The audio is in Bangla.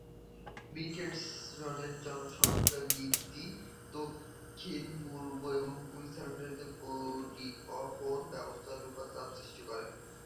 ব্রিসবেনের জনসংখ্যা বৃদ্ধি দক্ষিণ পূর্ব কুইন্সল্যান্ডের পরিবহন ব্যবস্থার উপর চাপ সৃষ্টি করে।